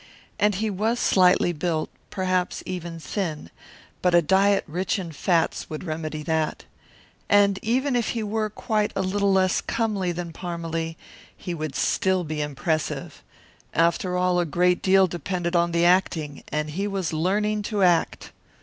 And he was slightly built, perhaps even thin, but a diet rich in fats would remedy that. And even if he were quite a little less comely than Parmalee, he would still be impressive. After all, a great deal depended upon the acting, and he was learning to act.